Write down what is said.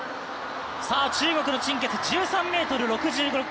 中国の陳ケツ、１３ｍ６６。